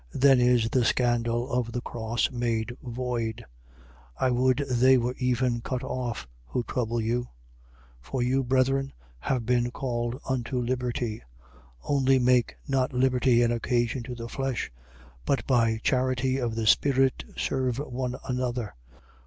Then is the scandal of the cross made void. 5:12. I would they were even cut off, who trouble you. 5:13. For you, brethren, have been called unto liberty. Only make not liberty an occasion to the flesh: but by charity of the spirit serve one another.